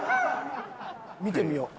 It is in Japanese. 見てみよう。